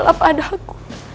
kalau bopo tidak mengenal wajahku